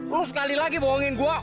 lu sekali lagi bohongin gua awas lu ya